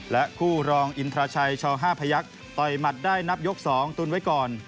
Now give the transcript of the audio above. และคู่รองอินทราชัยช๕พยักษ์ต่อยหมัดได้นับยก๒ตุนไว้ก่อน